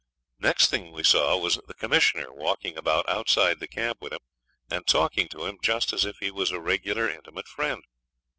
Next thing we saw was the Commissioner walking about outside the camp with him, and talking to him just as if he was a regular intimate friend.